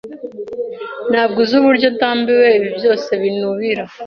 Ntabwo uzi uburyo ndambiwe ibi byose binubira.